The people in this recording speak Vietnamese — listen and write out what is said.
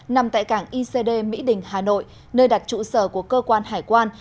nằm tại cảng icd mỹ đình hà nội nơi đặt trụ sở của cơ quan hải quan